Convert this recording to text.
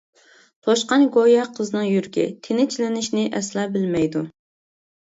توشقان گويا قىزنىڭ يۈرىكى، تىنچلىنىشنى ئەسلا بىلمەيدۇ.